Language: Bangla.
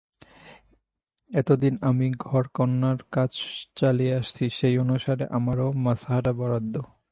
এতদিন আমি ঘরকন্নার কাজ চালিয়ে আসছি সেই অনুসারে আমারও মাসহারা বরাদ্দ।